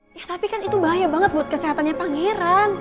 ya tapi kan itu bahaya banget buat kesehatannya pangeran